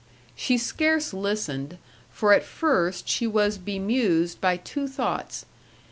She scarce listened, for at first she was bemused by two thoughts.